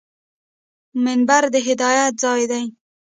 منبر د هدایت ځای دی